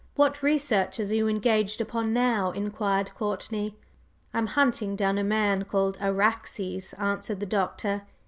"What researches are you engaged upon now?" inquired Courtney. "I am hunting down a man called Araxes," answered the Doctor.